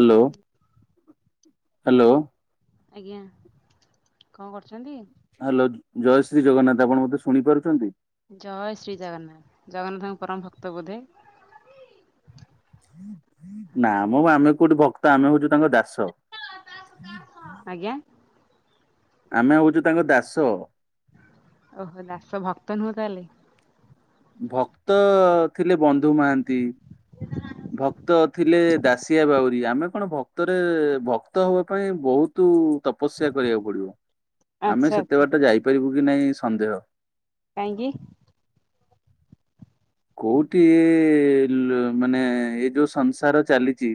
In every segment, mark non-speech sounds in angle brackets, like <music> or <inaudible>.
Hello hello. ଆଜ୍ଞା କଣ କରୁଚନ୍ତି? ହାଲୋ ଜୟ ଶ୍ରୀ ଜଗନ୍ନାଥ ଆପଣ ମତେ ଶୁଣି ପାରୁଚନ୍ତି? ଜୟ ଶ୍ରୀ ଜଗନ୍ନାଥ ଜଗନ୍ନାଥଙ୍କ ପରମ ଭକ୍ତ ବୋଧେ? ନା ମ ଆମେ କୋଉଠି ଭକ୍ତ ଆମେ ହଉଚୁ ତାଙ୍କ ଦାସ। ଆଜ୍ଞା। ଆମେ ହଉଚୁ ତାଙ୍କ ଦାସ। ଓହୋ ଦାସ ଭକ୍ତ ନୁହଁ ତାହେଲେ? ଭକ୍ତ ଥିଲେ ବନ୍ଧୁ ମହାନ୍ତି। ଭକ୍ତ ଥିଲେ ଦାଶିଆ ବାଉରୀ ଆମେ କଣ ଭକ୍ତରେ ଭକ୍ତ ହବା ପାଇଁ ବହୁତ୍ ତୁ ତପସ୍ୟା କରିବାକୁ ପଡ଼ିବ ଆମେ ଆଚ୍ଛା ଆଚ୍ଛା ସେତେବାଟ ଯାଇପାରିବୁ କି ନାଇଁ ସନ୍ଦେହ। କାହିଁକି? କୋଉଠି ଲୋ ଏ ମାନେ ଏ ଯୋଉ ସଂସାର ଚାଲିଚି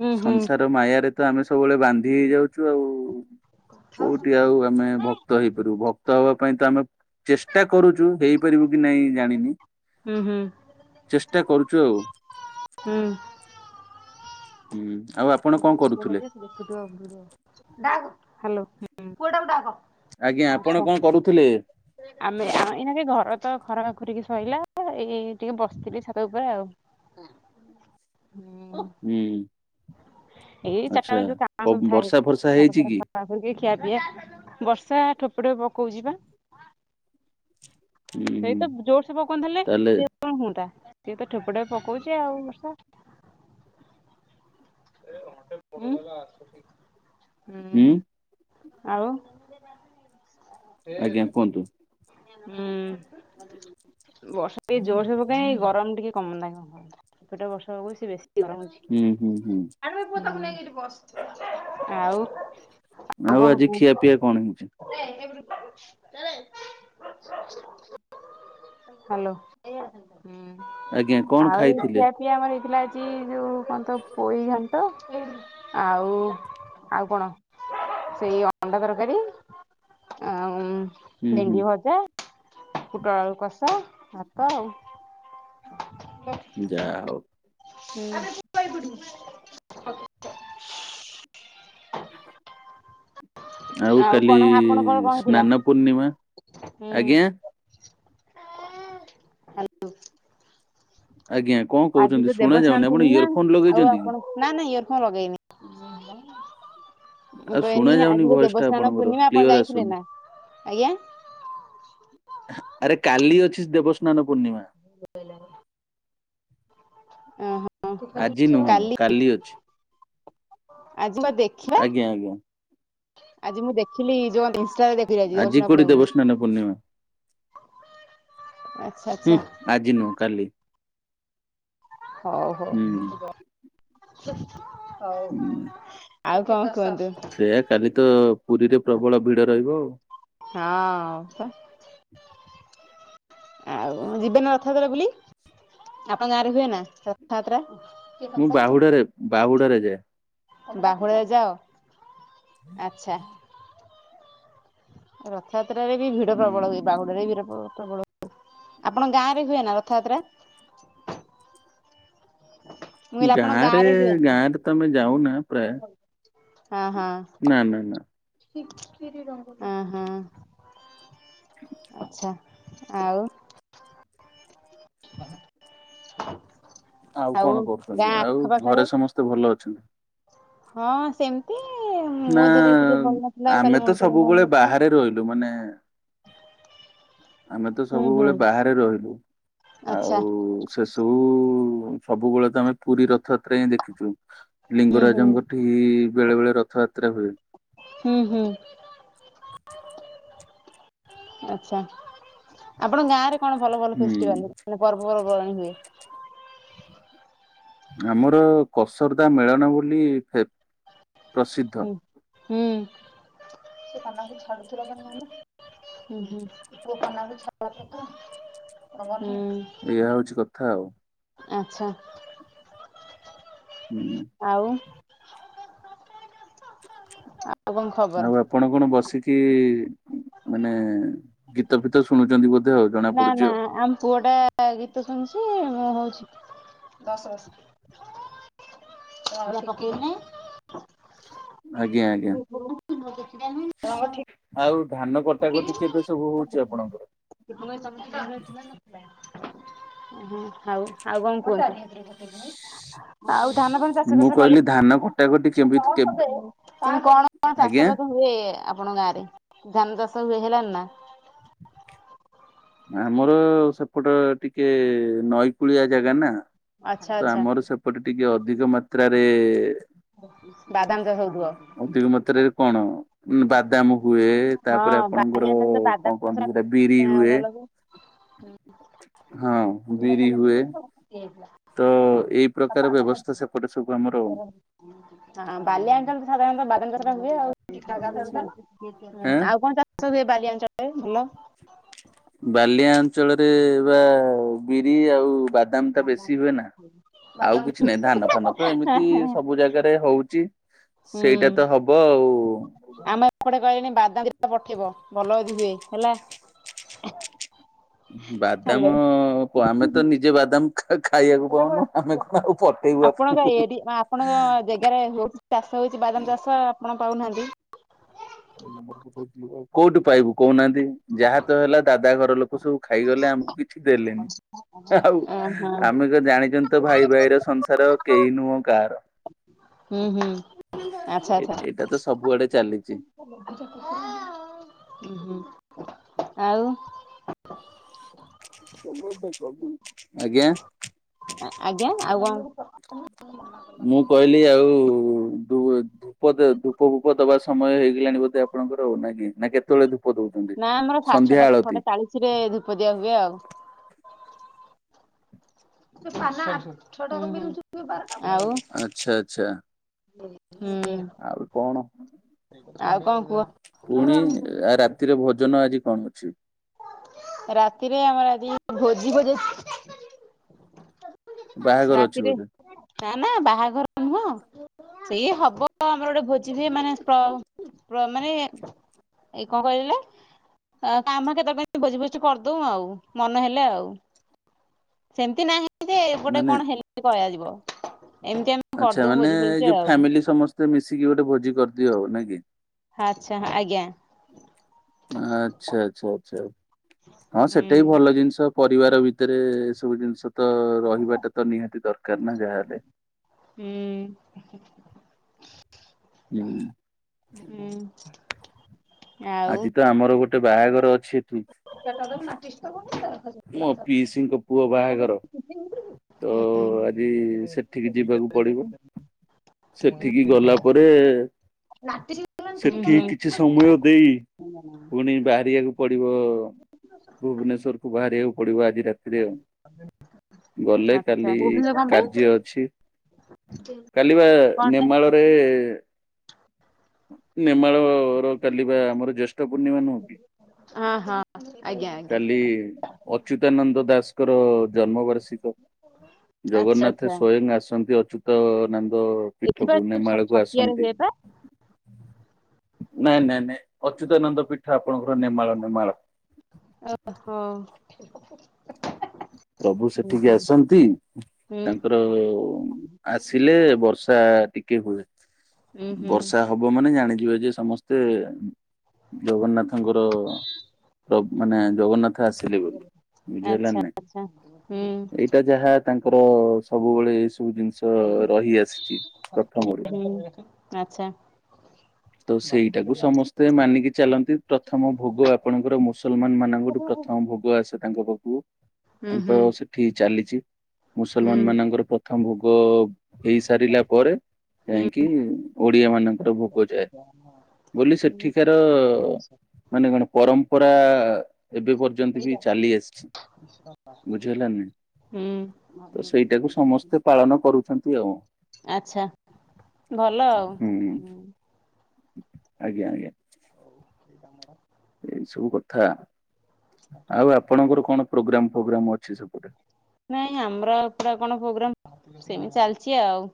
ହୁଁ ହୁଁ। ସଂସାର ମାୟାରେ ତ ଆମେ ସବୁବେଳେ ବାନ୍ଧି ହେଇଯାଉଚୁ ଆଉ। କୋଉଠି ଆଉ ଆମେ ଭ ରହିପାରିବୁ ଭକ୍ତ ହବା ପାଇଁ ତ ଆମେ ଚେଷ୍ଟା କରୁଚୁ ହେଇପାରିବୁ କି ନାଇଁ ଜାଣିନି। ହୁଁ ହୁଁ। ଚେଷ୍ଟା କରୁଚୁ ଆଉ। ହୁଁ। ହୁଁ ଆଉ ଆପ ହଲୋ ହୁଁ। ଆଜ୍ଞା ଆପଣ କଣ କରୁଥିଲେ? ଆମେ ଆ ଏଇନାକେ ଘର ତ ଖରକା ଖୁରୁକି ସଇିଲା ଏଇ ଟିକେ ବସିଥିଲି ଛାତ ଉପରେ ଆଉ। ହୁଁ। ହୁଁ ଏଇ ଚାରିଟା ଆଚ୍ଛା କ ବର୍ଷା ଫର୍ଷା ହେଇଚି କି? ଖରୁକି ଖିଆ ପିଆ ବର୍ଷା ଠୋପେ ଠୋପେ ପକଉଚି ବା। ହୁଁ ସେଇ ହୁଁ ତ ଜୋରସେ ପକୁଅନ୍ତେ ହେଲେ ତାହେଲେ ସିଏ କଣ ହୁଅନ୍ତା ସିଏ ତ ଠୋପ ଠୋପେ ପକୋଉଚି ଆଉ ବର୍ଷା। ହୁଁ ହୁଁ ଆଉ ହୁଁ ଆଜ୍ଞା କୁହନ୍ତୁ। ବର୍ଷା ଏ ଜୋରସୋ ପକାଇ ଗରମ ଟିକେ କମତା ପେଟ ବର୍ଷ ହେବାକୁ ସେ ବେଶୀ ଗରମ ହେଉଛି। ହୁଁ ହୁଁ ହୁଁ ଆଉ ଆଉ ଆଉ କଣ ଆଜି କହୁ <inaudible> ଖିଆ ପିଆ କଣ ହେଇଛି? ହ୍ୟାଲୋ ହୁଁ ଆଜ୍ଞା କଣ ଆଉ ଏ ଖାଇଥିଲେ? ଖିଆ ପିଆ ଆମର ହେଇଥିଲା ଆଜି ଯୋଉ କହନ୍ତି ତ ପୋଇ ଘା ଆଉ ଆଉ କଣ ସେଇ ଅଣ୍ଡା ତରକାରୀ ଆ ହୁଁ ହୁଁ ଭେଣ୍ଡି ଭଜା କୁଟଳଳୁ କଷ ଭାତ ଆଉ ଯା ହଉ <inaudible> ଆଉ କାଲି କଣ ଆପଣଙ୍କର କଣ ହେଇଥିଲା? ସ୍ନାନ ପୂର୍ଣ୍ଣିମା ଆଜ୍ଞା ଆଜ୍ଞା କଣ ଆଜି କହୁଛନ୍ତି ଶୁଣା ଯାଉନି ଆପଣ ଇୟର ଫୋନ ଲଗେଇଛନ୍ତି କି ନାଇ ନାଇ ଇଅର ଫୋନ ଲଗେଇନି। ମୁଁ ଆଉ ଶୁଣା କହନି ଯାଉନି ଆଜି ତ ଭଏସ ଟା ଦେବସ୍ନାନ ଆପଣଙ୍କର ପୂର୍ଣ୍ଣିମା ଆପଣ କ୍ଲିୟର ଯାଇଥିଲେ ଆସୁନି। ନା ଆଜ୍ଞା ଆରେ କାଲି ଅଛି ଦେବସ୍ନାନ ପୂର୍ଣ୍ଣିମା <inaudible> ଓହୋ ଆଜି ନୁହଁ କାଲି ଅଛି। ଆଜି ପା ଦେଖିବା। ଆଜ୍ଞା ଆଜ୍ଞା ଆଜି ମୁଁ ଦେଖିଲି ଯୋଉ ଇନାରେ ଦେଖି ଆଜି କୋଠି ଦେବ ସ୍ନାନ ପୂର୍ଣ୍ଣିମା ଆଚ୍ଛା ଆଚ୍ଛା। ହୁଁ ଆଜି ନୁହଁ କାଲି। ହଉ ହଉ ହୁଁ ହଉ ଆଉ କଣ କୁହନ୍ତୁ ସେଇୟା କାଲି ତ ପୁରୀରେ ପ୍ରବଳ ଭିଡ ରହିବ ଆଉ। ହଁ ଆଉ ଯିବେ ନା ରଥଯାତ୍ରା ବୁଲି ଆପଣଙ୍କ ଗାଁ ରେ ହୁଏ ନା ରଥଯାତ୍ରା ମୁଁ ବାହୁଡାରେ ବାହୁଡାରେ ଯାଏ। ବାହୁଡ଼ାରେ ଯାଅ। ଆଚ୍ଛା ରଥଯାତ୍ରାରେ ବି ଭିଡ ଉଁ, ପ୍ରବଳ ହୁଏ ବାହୁଡାରେରେ ଭିଡ଼ ପ୍ରବଳ ହଏ ଆପଣଙ୍କ ଗାଁ ରେ ହୁଏ ନା ରଥଯାତ୍ରା ମୁଁ କହିଲି ଆପଣଙ୍କ ଗାଁରେ ହୁଏନ। ଗାଁରେ ତ ଆମେ ଯାଉନା ପ୍ରାୟ ହଁ ହଁ ନା ନା ନା ଅଁ ହଁ ଆଚ୍ଛା ଆଉ <inaudible> ଆଉ କଣ ଗାଁ କରୁଛନ୍ତି ଆଉ ଆଖପାଖରେ? ଘରେ ସମସ୍ତେ ଭଲ ଅଛନ୍ତି ହଁ ସେମିତି ନା ମୋ ଦେହଟା ଟିକେ ଭଲ ନଥିଲା। ଆଉ ଆମେ କାଲି ତ ମୁଣ୍ଡବିନ୍ଧା ସବୁବେଳେ କରିଥିଲା। ବାହାରେ ରହିଲୁ ମାନେ ଆମେ ତ ହୁଁ ହୁଁ ସବୁବେଳେ ବାହାରେ ରହିଲୁ ଆଉ ଆଚ୍ଛା ସେସବୁ ସବୁବେଳେ ତ ଆମେ ପୁରୀ ରଥଯାତ୍ରା ହିଁ ଦେଖିଛୁ ହୁଁ ହୁଁ ଲିଙ୍ଗରାଜଙ୍କଠି ବେଳେ ବେଳେ ରଥଯାତ୍ରା ହୁଏ। ହୁଁ ହୁଁ ଆଛା ଆପଣଙ୍କ ଗାଁରେ କଣ ଭଲ ଭଲ ହୁଁ ଫେଷ୍ଟିଭାଲ ମାନେ ପର୍ବପର୍ବବାଣିୀ ହୁଏ ଆମର କସରଦା ମେଳନ ବୋଲି ପ୍ରସିଦ୍ଧ। ହୁଁ ହୁଁ ସେ କାନକୁ ଛାଡ଼ୁଥିଲ ଲ ମାନ ହୁଁ ହୁଁୁଅଖାନ ବି ଛ <inaudible> ଏଇଆ ହଉଚି କଥା ଆଉ। ଆଚ୍ଛା। ହୁଁ ଆଉ ଆଉ କଣ ଆଉ ଖବର? ଆପଣ କଣ ବସିକି ମାନେ ଗୀ ଗୀତ ଫିତ ଶୁଣୁଚନ୍ତି ବୋଧେ ଆଉ ଜଣାପଡୁଚି ଆଉ। ଆ ଆମ ପୁଅଟା ଗୀତ ଶୁଣୁଚି ମୁଁ ହଉଛି। <unintelligible> ଚାଉଳ ପକେଇନି। ଆଜ୍ଞା ଆଜ୍ଞା <unintelligible> ଆଉ ଧାନ କଟାକଟି କେବେ ସବୁ ହଉଚି ଆପଣଙ୍କର? <unintelligible> ଆଉ ଆଉ କଣ କୁହନ୍ତୁ। ଆଉ ଧାନ ଫାନ ଚାଷ ମୁଁ ଫାଷ କଲେ କହିଲି ଧାନ କଟାକଟିି କଣ କଣ ଆଜ୍ଞା ଚାଷବାସ ହୁଏ ଆପଣଙ୍କ ଗାଁରେ? ଧାନ ଚାଷ ହୁଏ ହେଲାନି ନା? ଆମର ସେପଟ ଟିକେ ନଈକୂଳିଆ ଜାଗା ନା। ଆଚ୍ଛା ତ ଆଚ୍ଛା ଆମର ସେପଟେ ଟିକେ ଅଧିକ ମାତ୍ରାରେ ବାଦାମ ଚାଷ ହଉଥିବ। <unintelligible> କଣ? ବାଦାମ ହୁଏ। ହଁ ତାପରେ ବାଲି ଆପଣଙ୍କର ଅଞ୍ଚଳ କଣ କୁହନ୍ତି ସେଟା ବିରି ହୁଏ। ହୁଁ ହଁ ବିରି ହୁଏ। <unintelligible> ତ ଏଇ ପ୍ରକାର ବ୍ୟବସ୍ଥା ସେପଟେ ସବୁ ଆମର। ହଁ ବାଲିଆ ଅଞ୍ଚଳ ତ ସାଧାରଣତଃ ବାଦାମ ଚାଷ ଟା ହୁଏ ଆଉ। ଆଉ କଣ ଚାଷ ହୁଏ ବାଲିଆ ଅଞ୍ଚଳରେ ଭଲ? ବାଲିଆ ଅଞ୍ଚଳରେ ବା ବିରି ଆଉ ବାଦ ବାଦାମ୍ ଟା ବେଶି ହୁଏ ନା। ଆଉ କିଛି ନାହିଁ। ଧାନ ଫାନ ତ ଏମିତି ସବୁ ଜାଗାରେ ହଉଚି। ହୁଁ ସେଇଟା ତ ହବ ଆଉ। ଆମ ଏପଟେ କହିଲେଣି ବାଦାମ ଦିଟା ପଠେଇବ ଭଲ ଯଦି ହୁଏ ହେଲା। ବାଦାମ ହ୍ୟାଲୋ। ଆମେ ତ ନିଜେ ବାଦାମ୍ ଖା ଖାଇବାକୁ ପାଉନୁ। ଆମେ କଣ ଆଉ ପଠେଇବୁ ଆପଣଙ୍କୁ। ସେ ଜେଗା ରେ ହଉ ଚାଷ ହଉଚି ବାଦାମ ଚାଷ ଆପଣ ପାଉନାହାନ୍ତି। <unintelligible> କୋଉଠୁ ପାଇବୁ କହୁନାହାନ୍ତି। ଯାହା ତ ହେଲା ଦାଦା ଘର ଲୋକ ସବୁ ଖାଇଗଲେ। ଆମକୁ କି ଛି ଦେଲେନି। ଆଉ ଓହୋ ଆମେ ତ ଜାଣିଚନ୍ତି ତ ଭାଇ ଭାଇ ର ସଂସାର କେହି ନୁହଁ କାହାର। ହୁଁ ହୁଁ ଆଚ୍ଛା ଏ ଆଚ୍ଛା ଏଇଟା ତ ସବୁଆଡେ ଚାଲିଚି। <unintelligible> ଆଉ ଆଜ୍ଞା। ଆଜ୍ଞା ଆଉ କଣ ମୁଁ କହିଲି ଆଉ ଦୁ ଧୂପ ଦେ ଧୂପ ଫୁପ ଦବା ସେ ସମୟ ହେଇଗଲାଣି ବୋଧେ ଆପଣଙ୍କର ଆଉ ନା କି। ନା କେତେବେଳେ ଧୂପ ଦଉଛନ୍ତି? ନା ଆମର ସାଢେ ସନ୍ଧ୍ୟା ଛଅଟା ଛଅଟା ଆଳତି ଚାଳିଶ ରେ ଧୂପଦିଆ ହୁଏ ଆଉ। <unintelligible> ଆଉ ଆଚ୍ଛା ଆଚ୍ଛା ହୁଁ। ଆଉ କଣ କୁହ? ପୁଣି ଆ ରାତିରେ ଭୋଜନ ଆଜି କଣ ଅଛି? ରାତିରେ ଆମର ଆଜି ଭୋଜି ଫୋଜି ବାହାଘର ଅଛି ରାତିରେ, ବୋଧେ ନା ନା ବାହାଘର ନୁହଁ ସେଇ ହବ ଆମର ଗୋଟେ ଭୋଜିଟିଏ ପ୍ର ମାନେ ପ୍ର ମାନେ ଏଇ କଣ କହିଲେ? କାମ କେତେବେଳେ ଭୋଜି ଭୋଜି କରିଦଉ ଆଉ ମନ ହେଲେ ଆଉ। ସେମତି ନାହିଁ ଯେ ଗୋଟେ ମାନେ କଣ ହେଲେ କୟା ଯିବ ଏମତି ଏତି ଆଚ୍ଛା ମାନେ ଏଇ ଯୋଉ ଫ୍ୟାମିଲି ସମସ୍ତେ ମିଶିକି ଗୋଟେ ଭୋଜି କରିଦିଅ ଆଉ ନା କି? ଆଚ୍ଛା, ଆଜ୍ଞା। ଆଚ୍ଛା ଆଚ୍ଛା ଆଚ୍ଛା। ହଁ ହୁଁ ସେଟା ବି ଭଲ ଜିନିଷ। ପରିବାର ଭିତେରେ ଏସବୁ ଜିନିଷ ତ ରହିବାଟା ତ ନିହାତି ଦରକାର ନା ଯାହାହେଲେ। ହୁଁ। ହୁଁ। ହୁଁ। ଆଉ ଆଜି ତ ଆମର ଗୋଟେ ବାହାଘର ଅଛି। ହୁଁ। ମୋ ପିଇସିଙ୍କ ପୁଅ ବାହାଘର ତ ହୁଁ ଆଜି ସେଠିକି ଯିବାକୁ ପଡିବ। ସେଠିକି ଗଲା ପରେ, ହୁଁ ସେଠି କି ହୁଁ କିଛି ସମୟ ଦେଇ, ପୁଣି ବାହାରିଆକୁ ପଡିବ, ଭୁବନେଶ୍ଵରକୁ ବାହାରିଆକୁ ପଡିବ ଆଜି ରାତିରେ ଆଉ। ଗଲେ କାଲି ଆଚ୍ଛା ଭୁବନେଶ୍ୱର କଣ ପାଇଁ କାର୍ଯ୍ୟ ଅଛି। କାଲିି ବା କଣ ପାଇଁ ନେମାଳରେ ନେମାଳର କାଲି ବା ଆମର ଜ୍ୟେଷ୍ଠ ପୂର୍ଣ୍ଣିମା ନୁହଁ କି? ହଁ ଆଜ୍ଞା, କାଲି ଆଜ୍ଞା। ଅଚ୍ୟୁତାନନ୍ଦ ଦାସଙ୍କର ଜନ୍ମ ବାର୍ଷିକ। ଆଚ୍ଛା ଜଗନ୍ନାଥ ଆଚ୍ଛା ସ୍ଵୟଂ ଆସନ୍ତି ଅଚ୍ୟୁତ ନନ୍ଦ ଏଠି ବା ପୀଠକୁ, ଛ ନେମାଳକୁ ଛତିଆରେ ଆସନ୍ତି। ହୁଏ ପା। ନାଇଁ, ନାଇଁ, ନାଇଁ, ଅଚ୍ୟୁତାନନ୍ଦ ପୀଠ ଆପଣଙ୍କର ନେମାଳ, ନେମାଳ। ଓ ହଁ। ପ୍ରଭୁ ହୁଁ ସେଠିକି ହୁଁ ଆସନ୍ତି ହୁଁ ତାଙ୍କର ଆସିଲେ, ବର୍ଷା ଟିକେ ହୁଏ। ହୁଁ ହୁଁ। ବର୍ଷା ହବ ମାନେ ଜାଣିଯିବେ ଯେ ସମସ୍ତେ ଜଗନ୍ନାଥଙ୍କର ମାନେ ଜଗନ୍ନାଥ ଆସିଲେ ବୋଲି। ବୁଝି ହେଲା ନା ନାଇଁ? ହଁ, ହୁଁ। ଏଇଟା ଯାହା ତାଙ୍କର ସବୁବେଳେ ଏଇ ସବୁ ଜିନିଷ ଷ ରହି ଆସିଛି, ପ୍ରଥମରୁ। ହଁ। ତ ସେଇଟାକୁ ସମସ୍ତେ ମାନିକି ଚାଲନ୍ତି। ପ୍ରଥମ ଭୋଗ ଆପଣଙ୍କର ମୁସଲମାନମାନଙ୍କଠୁ ପ୍ର ଥମ ଭୋଗ ଆସେ ତାଙ୍କ ପାଖକୁ। ହୁଁ ତାଙ୍କ ହୁଁ ସେଠି ଚାଲିଛି। ହୁଁ ମୁସଲମାନମାନଙ୍କର ପ୍ରଥମ ଭୋଗ ହେଇସାରିଲା ପରେ ହୁଁ ଯାଇଁକି, ଓଡିଆମାନଙ୍କର ଭୋଗ ଯାଏ। ବୋଲି ସେଠିକାର ମାନେ କଣ ପରମ୍ପରା ଏବେ ପର୍ଯ୍ୟନ୍ତ ବି ଚାଲି ଆସିଛି। <inaudible> ବୁଝି ହେଲା ନାଇଁ? ହୁଁ ତ ସେଇଟାକୁ ସମସ୍ତେ ପାଳନ କରୁଛନ୍ତି ଆଉ। ଆଚ୍ଛା, ଭଲ ଆଉ ହୁଁ। ଆଜ୍ଞା ଆଜ୍ଞା। <inaudible> ଏଇ ସବୁ କଥା ଆଉ ଆପଣଙ୍କର କଣ ପ୍ରୋଗ୍ରାମ ଫୋଗ୍ରାମ ଅଛି ସେପଟେ। ନାଇଁ ଆମର ଏ ପୁରା କଣ ପ୍ରୋଗ୍ରାମ ସେମିତି ଚାଲିଚି ଆଉ।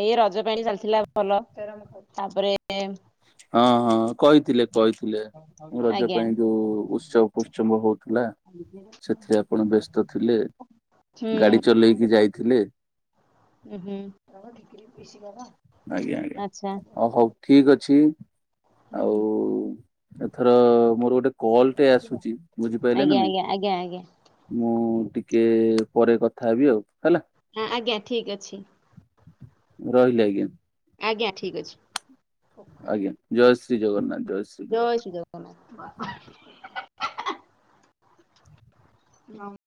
ଏଇ ରଜ ପାଇଁ ଚାଲିଥିଲା ଭଲ ତାପରେ--' ହଁ ହଁ କହିଥିଲେ। କହିଥିଲେ ରଜ ଆଜ୍ଞା ପାଇଁ ଯୋଉ ଉତ୍ସବ ଫୁସ୍ଚବ ହୋଉଥିଲା। <inaudible> ଗାଡି ଚଲେଇକି ଉ ଯାଇଥିଲେ। ହୁଁ ଆଜ୍ଞା ଆଜ୍ଞା ଆଚ୍ଛା। ହଉ ହଉ <unintelligible> ହୁଁ ଆଉ ଏଥର ମୋର ଗୋଟେ କଲ ଟେ ଆସୁଚି ବୁଝିପାଇଲେ ନା ଆଜ୍ଞା ନାଇଁ। ଆଜ୍ଞା ଆଜ୍ଞା ଆଜ୍ଞା ମୁଁ ଟିକେ ପରେ କଥା ହେବି ଆଉ ହେଲା। ହଁ ଆଜ୍ଞା ଠିକ୍ ଅଛି। ରହିଲି ଆଜ୍ଞା। ଆଜ୍ଞା ଠିକ୍ ଅଛି। ଆଜ୍ଞା ଜୟଶ୍ରୀ ଜଗନ୍ନାଥ ଜୟଶ୍ରୀ। ଜୟ ଶ୍ରୀ ଜଗନାଥ। ହଁ।